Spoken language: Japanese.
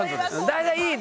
大体いい。